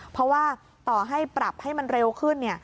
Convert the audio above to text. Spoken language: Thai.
เพราะว่าต่อให้ปรับให้มันเร็วขึ้น